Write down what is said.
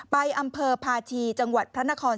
ไปอำเภอพาจีจังหวัดพระนคร